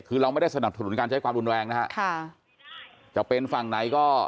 คือเราไม่ได้สนับสนุนการใช้ความรุนแรงนะฮะค่ะจะเป็นฝั่งไหนก็